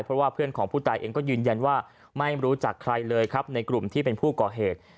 เพราะว่าเพื่อนของผู้ตายเองก็ยืนยันว่าไม่รู้จักใครเลยครับในกลุ่มที่เป็นผู้ก่อเหตุ